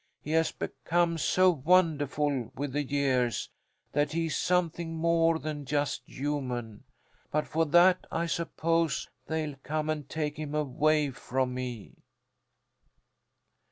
"He has become so wonderful with the years that he's something more than just human. But for that I suppose they'll come and take him away from me."